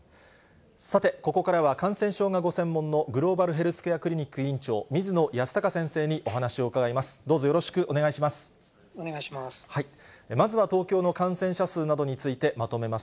さて、ここからは感染症がご専門のグローバルヘルスケアクリニック院長、水野泰孝先生にお話を伺います。